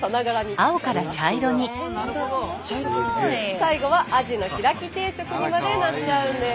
最後はアジの開き定食にまでなっちゃうんです！